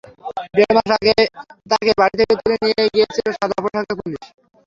দেড় মাস আগে তাঁকে বাড়ি থেকে তুলে নিয়ে গিয়েছিল সাদাপোশাকের পুলিশ।